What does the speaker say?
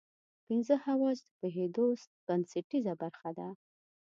پنځه حواس د پوهېدو بنسټیزه برخه ده.